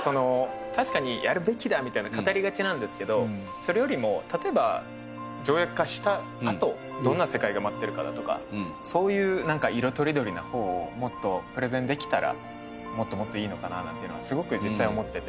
それよりも例えば条約化したあとどんな世界が待ってるかだとかそういう色とりどりな方をもっとプレゼンできたらもっともっといいのかななんていうのはすごく実際思ってて。